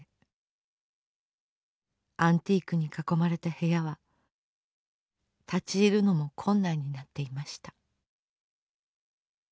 アンティークに囲まれた部屋は立ち入るのも困難になっていました。